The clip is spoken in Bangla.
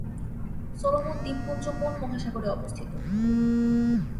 সলোমন দ্বীপপুঞ্জ কোন মহাসাগরে অবস্থিত?